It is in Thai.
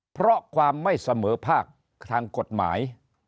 เพราะความไม่เสมอภาคทางกฎหมาย